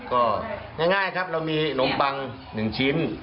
ก็ง่ายครับเรามีนมปัง๑ชิ้น